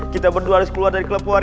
kita berdua harus keluar dari club warrior